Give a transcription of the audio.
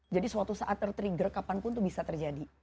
jadi suatu saat tertrigger kapanpun itu bisa terjadi